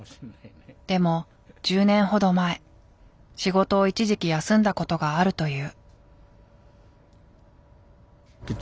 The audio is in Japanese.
でも１０年ほど前仕事を一時期休んだことがあるという。